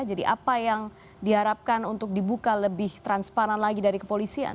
jadi apa yang diharapkan untuk dibuka lebih transparan lagi dari kepolisian